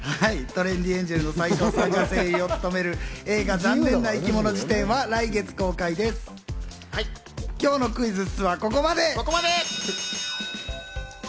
トレンディエンジェルの斎藤さんが声優を務める映画『ざんねんないきもの事典』は来月今日のクイズッスはここまで！